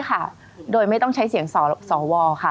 ค่ะโดยไม่ต้องใช้เสียงสวค่ะ